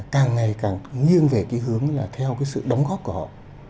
càng ngày càng nghiêng về cái hướng là theo cái sự đóng góp của họ